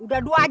udah dua aja